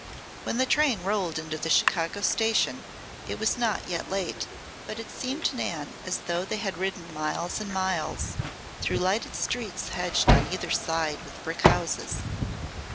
When the train rolled into the Chicago station it was not yet late; but it seemed to Nan as though they had ridden miles and miles, through lighted streets hedged on either side with brick houses.